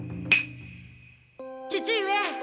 父上！